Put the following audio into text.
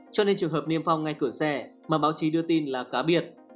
cho nên trường hợp niêm phong ngay cửa xe mà báo chí đưa tin là cá biệt